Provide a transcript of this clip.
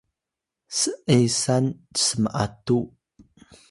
s’esan sm’atu